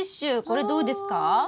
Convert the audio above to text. これどうですか？